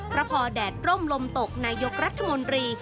เพราะพอแดดร่มลมตกนายกรัฐมนตรี